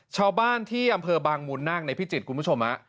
ชาวบ้านที่อำเภอบางมูลนาคในพิจิตรคุณผู้ชม